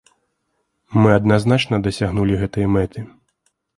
Мы адназначна дасягнулі гэтай мэты.